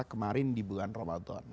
kemarin di bulan ramadan